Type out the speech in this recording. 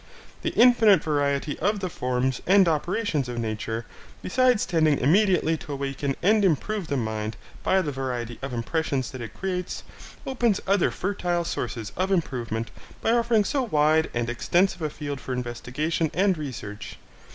The infinite variety of the forms and operations of nature, besides tending immediately to awaken and improve the mind by the variety of impressions that it creates, opens other fertile sources of improvement by offering so wide and extensive a field for investigation and research.